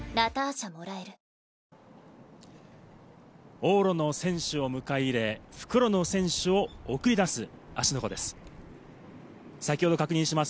往路の選手を迎え入れ復路の選手を送り出す芦ノ湖です。